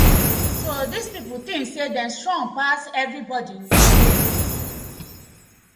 So dis pipu tink say dem strong pass everibodi for here.